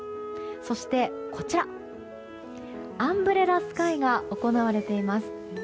そして、アンブレラスカイが行われています。